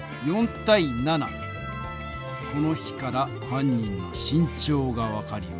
この比から犯人の身長が分かります。